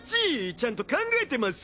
ちゃんと考えてます？